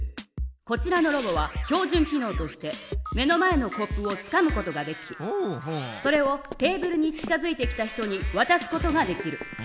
こちらのロボは標じゅん機のうとして目の前のコップをつかむことができそれをテーブルに近づいてきた人にわたすことができる。